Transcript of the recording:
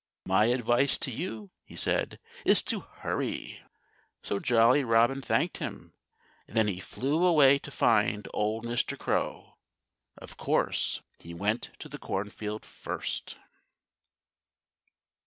My advice to you," he said, "is to hurry!" So Jolly Robin thanked him. And then he flew away to find old Mr. Crow. Of course, he went to the cornfield first.